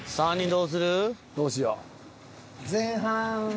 どうしよう。